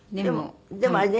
でも。